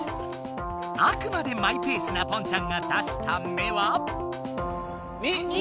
あくまでマイペースなポンちゃんが出した目は？